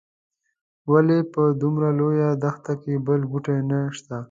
ولې په دومره لویه دښته کې بل بوټی نه شته.